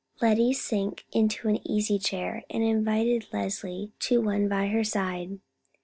Lettie sank into an easy chair, and invited Leslie to one by her side.